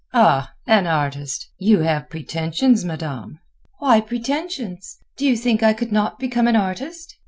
"Ah! an artist! You have pretensions, Madame." "Why pretensions? Do you think I could not become an artist?"